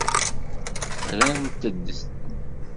Rrant-d.